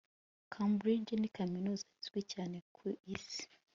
cambridge ni kaminuza izwi cyane ku isi